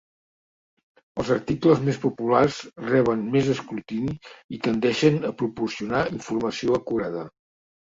Els articles més populars reben més escrutini i tendeixen a proporcionar informació acurada.